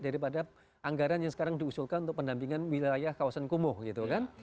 daripada anggaran yang sekarang diusulkan untuk pendampingan wilayah kawasan kumuh gitu kan